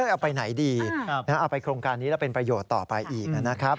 เอาไปไหนดีเอาไปโครงการนี้แล้วเป็นประโยชน์ต่อไปอีกนะครับ